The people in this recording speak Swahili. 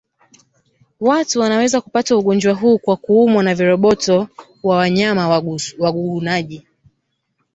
Watu wanaweza kupata ugonjwa huu kwa kuumwa na viroboto wa wanyama wagugunaji